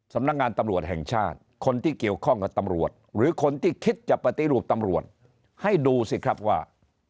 สำนักงานตำรวจแห่งชาติคนที่เกี่ยวข้องกับตำรวจหรือคนที่คิดจะปฏิรูปตำรวจให้ดูสิครับว่า